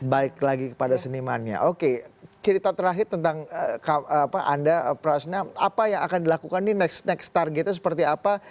balik lagi kepada senimannya oke cerita terakhir tentang anda prasnya apa yang akan dilakukan nih next targetnya seperti apa